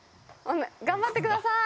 頑張ってください。